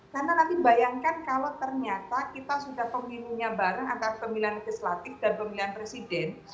karena nanti bayangkan kalau ternyata kita sudah pemilunya bareng antara pemilihan legislatif dan pemilihan presiden